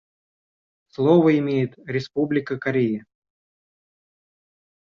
Слово имеет Республика Корея.